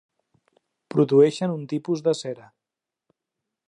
Produeixen un tipus de cera.